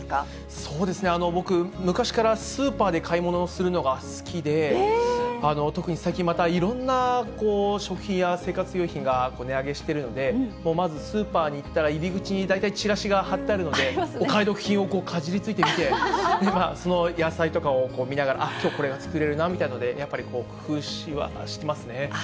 そうですね、僕、昔からスーパーで買い物をするのが好きで、特に最近、またいろんな食品や生活用品が値上げしているので、まずスーパーに行ったら、入り口に大体チラシが貼ってあるので、お買い得品をかじりついて見て、その野菜とかを見ながら、きょう、これが作れるなみたいで、やっぱり、工夫はしてますね。